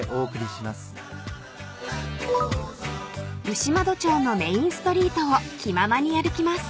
［牛窓町のメインストリートを気ままに歩きます］